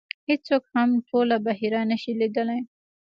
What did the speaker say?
هېڅوک هم ټوله بحیره نه شي لیدلی .